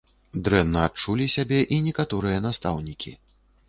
Дрэнна адчулі сябе і некаторыя настаўнікі.